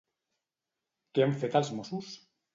Què han fet els mossos?